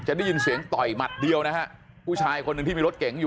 ได้ยินเสียงต่อยหมัดเดียวนะฮะผู้ชายคนหนึ่งที่มีรถเก๋งอยู่